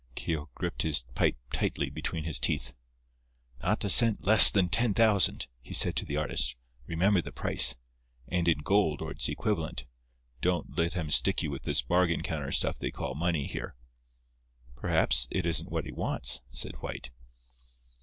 Keogh gripped his pipe tightly between his teeth. "Not a cent less than ten thousand," he said to the artist—"remember the price. And in gold or its equivalent—don't let him stick you with this bargain counter stuff they call money here." "Perhaps it isn't that he wants," said White.